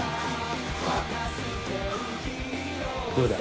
どうだ？